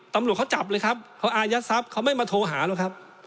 ตำรวจเขาจับเลยครับเขาอายัดทรัพย์เขาไม่มาโทรหาหรอกครับ